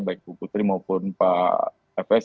baik bu putri maupun pak efes